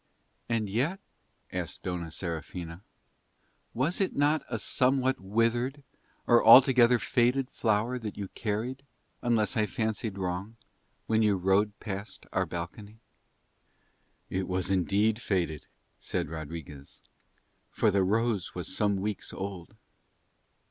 "And yet," asked Dona Serafina, "was it not a somewhat withered or altogether faded flower that you carried, unless I fancied wrong, when you rode past our balcony?" "It was indeed faded," said Rodriguez, "for the rose was some weeks old."